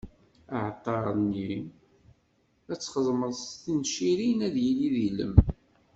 Aɛalṭar-nni? ad t-txedmeḍ s tencirin, ad yili d ilem.